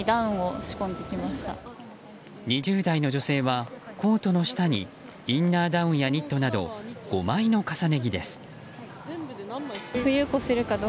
２０代の女性はコートの下にインナーダウンやニットなど５枚の重ね着です。